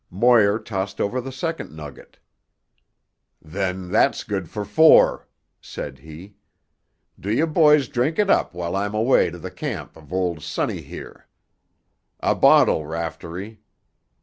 Moir tossed over the second nugget. "Then that's good for four," said he. "Do ye boys drink it up while I'm away to tuh camp of old sonny here. A bottle, Raftery.